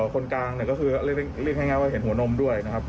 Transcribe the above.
คนกลางเนี่ยก็คือเรียกง่ายว่าเห็นหัวนมด้วยนะครับ